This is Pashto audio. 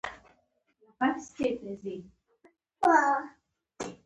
د انجوګانو د لګښت د زیاتوالي یو لامل مارکیټینګ دی.